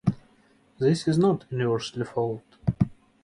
This is not universally followed.